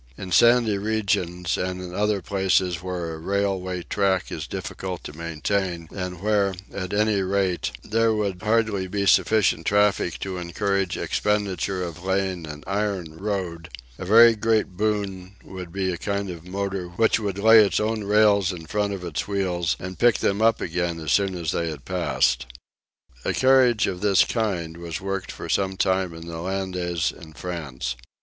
In sandy regions, and in other places where a railway track is difficult to maintain, and where, at any rate, there would hardly be sufficient traffic to encourage expenditure in laying an iron road, a very great boon would be a kind of motor which would lay its own rails in front of its wheels and pick them up again as soon as they had passed. A carriage of this kind was worked for some time on the Landes in France.